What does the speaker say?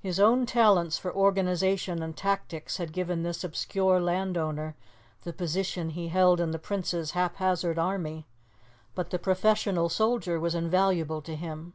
His own talents for organization and tactics had given this obscure landowner the position he held in the Prince's haphazard army, but the professional soldier was invaluable to him.